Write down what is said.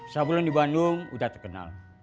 sebelum di bandung udah terkenal